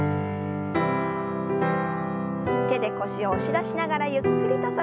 手で腰を押し出しながらゆっくりと反らせます。